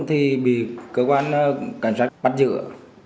thì bị cơ quan cảnh sát bắt dựa